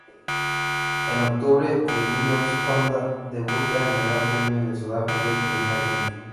En octubre, el Williams-Honda debuta en el Gran Premio de Sudáfrica y termina quinto.